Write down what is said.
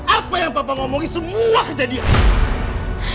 apa yang bapak ngomongin semua kejadian